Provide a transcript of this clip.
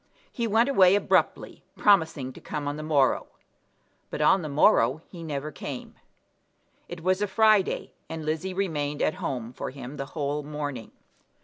He went away abruptly, promising to come on the morrow; but on the morrow he never came. It was a Friday, and Lizzie remained at home for him the whole morning.